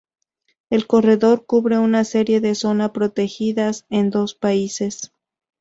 El corredor cubre una serie de zona protegidas en dos países.